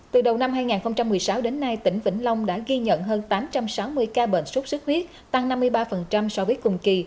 từ đầu năm hai nghìn một mươi sáu đến nay tỉnh vĩnh long đã ghi nhận hơn tám trăm sáu mươi ca bệnh sốt xuất huyết tăng năm mươi ba so với cùng kỳ